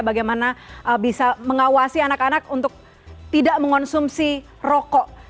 bagaimana bisa mengawasi anak anak untuk tidak mengonsumsi rokok